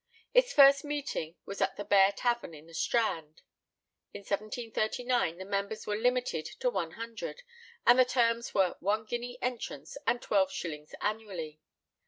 Its first meeting was at the Bear Tavern, in the Strand. In 1739 the members were limited to one hundred, and the terms were one guinea entrance and twelve shillings annually.